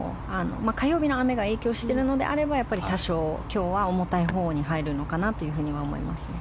火曜日の雨が影響しているのであれば多少、今日は重たいほうには入るのかなとは思いますね。